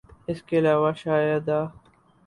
اس کے علاوہ شاید آ